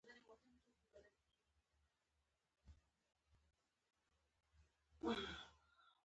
زیاتره جمهوري دولتونه انتخابي دي.